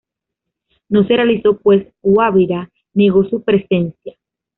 No se realizó pues Guabirá negó su presencia.